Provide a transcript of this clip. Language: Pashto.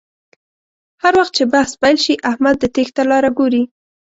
هر وخت چې بحث پیل شي احمد د تېښتې لاره گوري